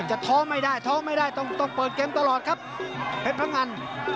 ท้อไม่ได้ท้อไม่ได้ต้องเปิดเกมตลอดครับเพชรพงัน